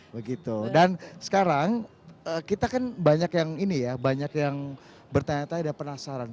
begitu dan sekarang kita kan banyak yang ini ya banyak yang bertanya tanya dan penasaran